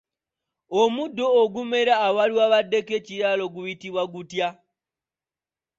Omuddo ogumera awaali wabaddeko ekiraalo guyitibwa gutya ?